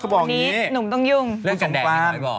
เขาบอกอย่างนี้หนุ่มต้องยุ่ง